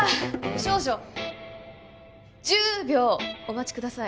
少々１０秒お待ちください